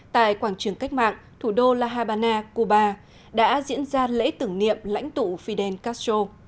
tại quảng trường cách mạng thủ đô la habana cuba đã diễn ra lễ tưởng niệm lãnh tụ fidel castro